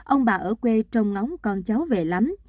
ông bà ở quê trong ngóng con cháu về lắm